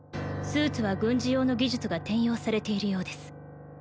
スーツは軍事用の技術が転用されているようです